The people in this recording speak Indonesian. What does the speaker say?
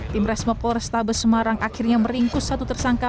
tim resmopor stabe semarang akhirnya meringkus satu tersangka